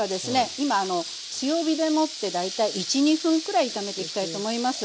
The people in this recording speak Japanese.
今あの強火でもって大体１２分くらい炒めていきたいと思います。